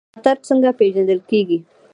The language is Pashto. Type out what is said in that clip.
خطر څنګه پیژندل کیږي؟